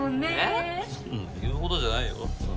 そんな言うほどじゃないよ。